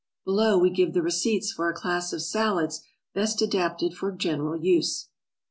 Below we give the receipts for a class of salads best adapted for general use.